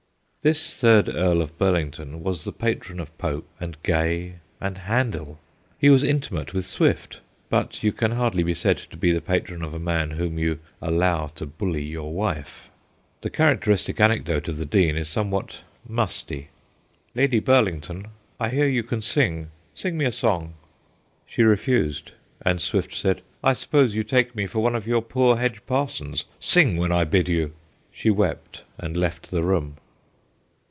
This third Earl of Burlington was the patron of Pope and Gay and Handel. He was intimate with Swift, but you can hardly be said to be the patron of a man whom you allow to bully your wife. The characteristic anecdote of the Dean is something musty. ' Lady Burlington, I hear you can sing : sing me a song/ She refused, and Swift said, ' I suppose you take me for one of your poor hedge parsons ; sing when I bid you.' She wept and left the room.